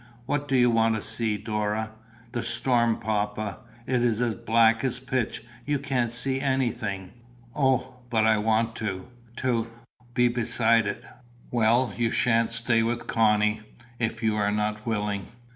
"What do you want to see, Dora?" "The storm, papa." "It is as black as pitch. You can't see anything." "O, but I want to to be beside it." "Well, you sha'n't stay with Connie, if you are not willing.